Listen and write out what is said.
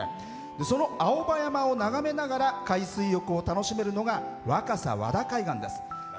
その青葉山を眺めながら海水浴を楽しめるのが若狭和田海岸です。